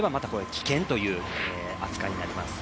危険という扱いになります。